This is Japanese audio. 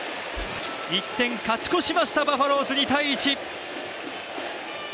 １点勝ち越しました、バファローズ。